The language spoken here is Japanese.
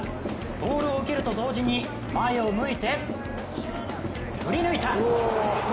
ボールを受けると同時に前を向いて振り抜いた！